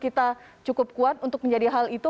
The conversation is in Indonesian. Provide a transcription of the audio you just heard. kita cukup kuat untuk menjadi hal itu